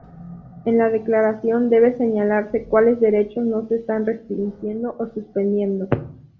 En la declaración debe señalarse cuáles derechos no se están restringiendo o suspendiendo.